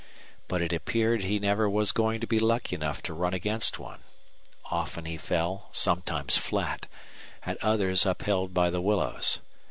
But it appeared he never was going to be lucky enough to run against one. Often he fell, sometimes flat, at others upheld by the willows.